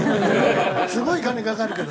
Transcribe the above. すごい金かかるけど。